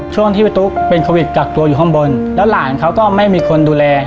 ช่วงที่พี่ตุ๊กเป็นโควิดกักตัวอยู่ข้างบนแล้วหลานเขาก็ไม่มีคนดูแล